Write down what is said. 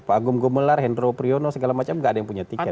pak agung gumelar hendro priyono segala macam gak ada yang punya tiket